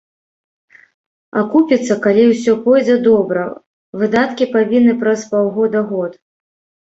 Акупіцца, калі ўсё пойдзе добра, выдаткі павінны праз паўгода-год.